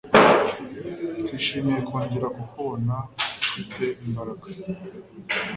Twishimiye kongera kukubona ufite imbaraga.